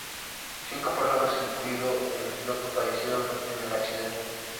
Cinco personas, incluido el piloto fallecieron en el accidente.